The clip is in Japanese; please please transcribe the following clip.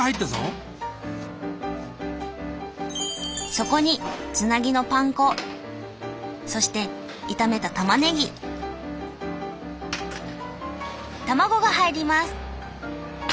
そこにつなぎのパン粉そして炒めたたまねぎ卵が入ります。